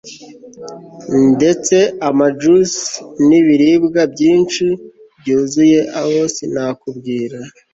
ndetse amajus nibiribwa byinshi byuzuye aho sinakubwira